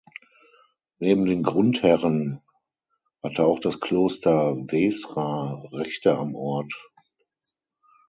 Neben den Grundherren hatte auch das Kloster Veßra Rechte am Ort.